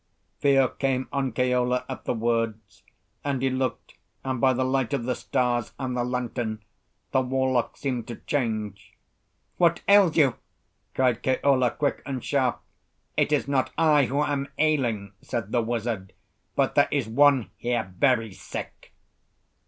Fear came on Keola at the words, and he looked, and by the light of the stars and the lantern, the warlock seemed to change. "What ails you?" cried Keola, quick and sharp. "It is not I who am ailing," said the wizard; "but there is one here very sick."